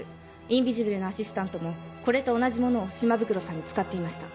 インビジブルのアシスタントもこれと同じものを島袋さんに使っていました